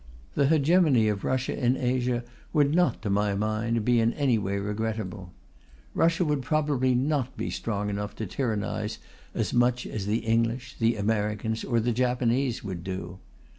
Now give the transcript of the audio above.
The hegemony of Russia in Asia would not, to my mind, be in any way regrettable. Russia would probably not be strong enough to tyrannize as much as the English, the Americans, or the Japanese would do.